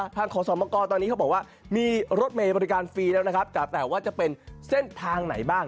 ขอสมกรตอนนี้เขาบอกว่ามีรถเมย์บริการฟรีแล้วนะครับแต่ว่าจะเป็นเส้นทางไหนบ้าง